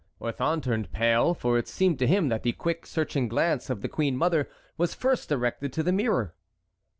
Orthon turned pale, for it seemed to him that the quick, searching glance of the queen mother was first directed to the mirror.